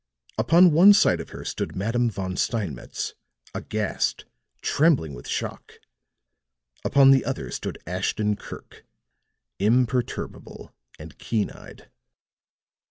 Upon one side of her stood Madame Von Steinmetz, aghast, trembling with shock; upon the other stood Ashton Kirk, imperturbable and keen eyed.